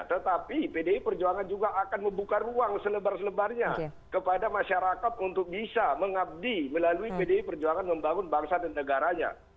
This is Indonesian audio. tetapi pdi perjuangan juga akan membuka ruang selebar selebarnya kepada masyarakat untuk bisa mengabdi melalui pdi perjuangan membangun bangsa dan negaranya